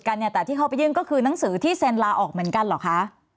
เนี่ยแต่ที่เขาไปยื่นก็คือหนังสือที่เซ็นลาออกเหมือนกันเหรอคะ